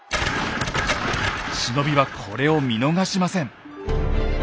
忍びはこれを見逃しません。